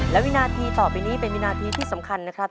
และวินาทีต่อไปนี้เป็นวินาทีที่สำคัญนะครับ